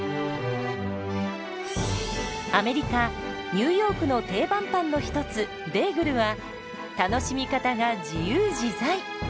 アメリカ・ニューヨークの定番パンの一つベーグルは楽しみ方が自由自在！